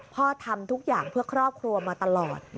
ทำทุกอย่างเพื่อครอบครัวมาตลอด